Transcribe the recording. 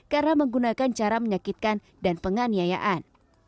karena menggunakan cara menyakitkan dan penganiayaan